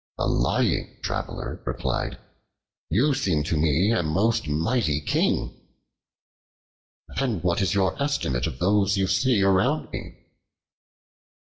The Lying Traveler replied, "You seem to me a most mighty king." "And what is your estimate of those you see around me?"